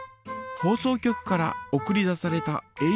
放送局から送り出されたえ